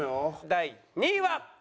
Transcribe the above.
第２位は。